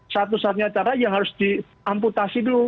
satu satunya cara yang harus diamputasi dulu